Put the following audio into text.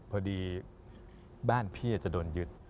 พอดีบ้านพี่จะโดนยึด